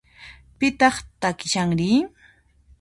Pitaq takishanri?